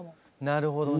なるほどね。